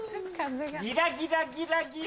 ギラギラギラギラ。